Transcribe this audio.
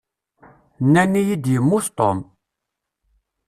Nnan-iyi-d yemmut Tom.